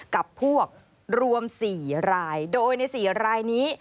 กับพวกรวม๔รายโดยใน๔รายนี้